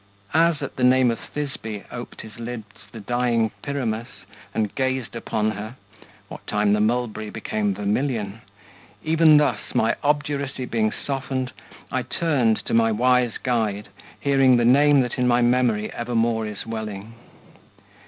As at the name of Thisbe oped his lids The dying Pyramus, and gazed upon her, What time the mulberry became vermilion, Even thus, my obduracy being softened, I turned to my wise Guide, hearing the name That in my memory evermore is welling.